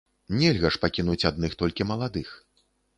Нельга ж пакінуць адных толькі маладых.